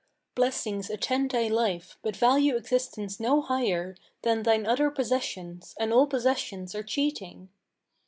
Blessings attend thy life; but value existence no higher Than thine other possessions, and all possessions are cheating!'